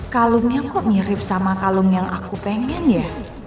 kalungnya kok mirip sama kalung yang aku pengen ya